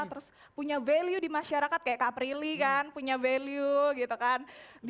terus punya value di masyarakat kayak kak prilly kan punya value gitu kan